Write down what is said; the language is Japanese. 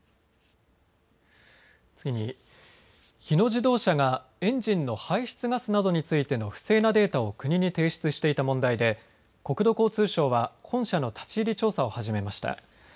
日野自動車がエンジンの排出ガスなどについての不正なデータを国に提出していた問題で国土交通省は本社の立ち入り調査を始めました。